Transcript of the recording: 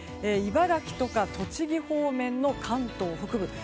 茨木とか栃木方面の関東北部。